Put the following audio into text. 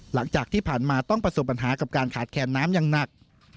หลังจากที่ผ่านมาต้องประสบปัญหากับการขาดแคนน้ำอย่างหนัก